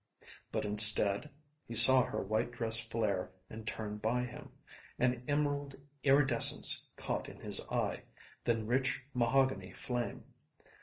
But instead (he saw her white dress flare and turn by him) an emerald iridescence caught in his eye, then rich mahogany flame.